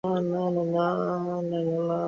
আমাকে অন্তত এখানে শান্তিতে থাকতে দাও।